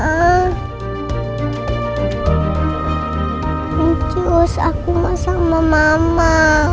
thank you ust aku mau sama mama